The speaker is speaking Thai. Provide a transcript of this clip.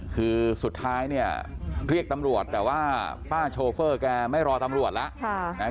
คือสุดท้ายเนี่ยเรียกตำรวจแต่ว่าป้าโชเฟอร์แกไม่รอตำรวจแล้ว